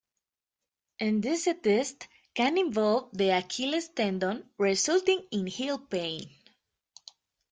Enthesitis can involve the Achilles tendon resulting in heel pain.